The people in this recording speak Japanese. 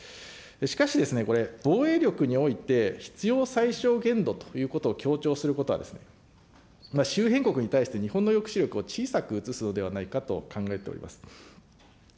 しかしですね、これ、防衛力において必要最少限度ということを強調することは、周辺国に対して日本の抑止力を小さく映すのではないかと考えております。